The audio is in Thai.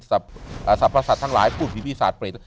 สรรพสัตว์ทั้งหลายภูมิบิตสาธิ์เปรต